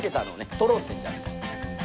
取ろうっていうんじゃない」。